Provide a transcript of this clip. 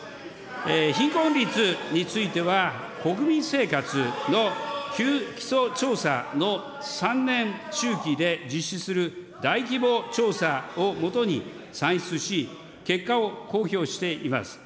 貧困率については、国民生活の旧基礎調査の３年周期で実施する大規模調査を基に算出し、結果を公表しています。